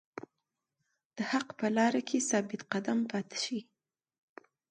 د حق په لاره کې ثابت قدم پاتې شئ.